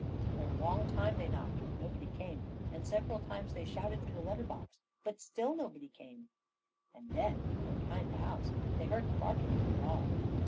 For a long time they knocked, but nobody came; and several times they shouted through the letter box. But still nobody came, and then from behind the house they heard the barking of a dog.